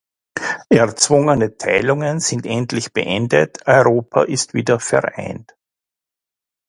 Erzwungene Teilungen sind endlich beendet, Europa ist wieder vereint.